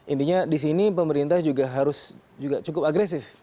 intinya disini pemerintah juga harus cukup agresif